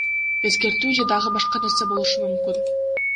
Эскертүү же дагы башка нерсе болушу мүмкүн.